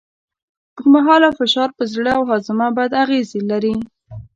اوږدمهاله فشار پر زړه او هاضمه بد اغېز لري.